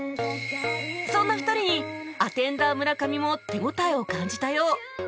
そんな２人にアテンダー村上も手応えを感じたよう